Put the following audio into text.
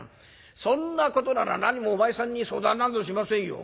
そんなことならなにもお前さんに相談なんぞしませんよ。